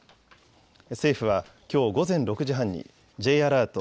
政府はきょう午前６時半にＪアラート